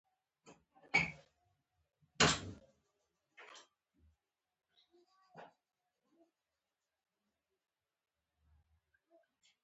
نصیرخان تیمورشاه واکمنۍ ته نه تسلیمېدی.